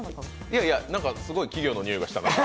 いやいや、すごい企業のにおいがしたので。